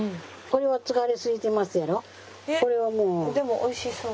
でもおいしそう。